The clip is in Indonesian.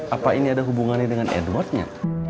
apa ini ada hubungannya dengan edwardnya